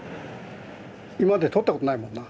今まで撮ったことないもんな。